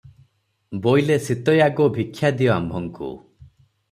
ବୋଇଲେ ସୀତୟା ଗୋ ଭିକ୍ଷା ଦିଅ ଆମ୍ଭଙ୍କୁ